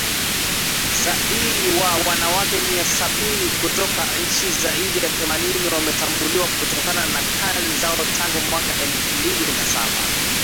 Zaidi wa wanaweka mia sabini kutoka nchi zaidi ya themanini wametambuliwa kutokana na kazi zao tangu mwaka elfu mbili na saba